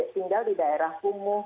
tinggal di daerah punguh